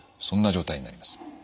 そんな状態になります。